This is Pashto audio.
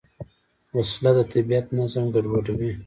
وسله د طبیعت نظم ګډوډوي